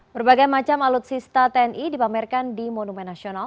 berbagai macam alutsista tni dipamerkan di monumen nasional